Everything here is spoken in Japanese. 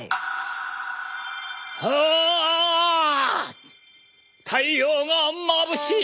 ああ太陽がまぶしい。